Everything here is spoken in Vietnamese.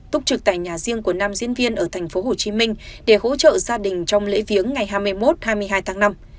túc trực tại nhà riêng của nam diễn viên ở tp hcm để hỗ trợ gia đình trong lễ viếng ngày hai mươi một hai mươi hai tháng năm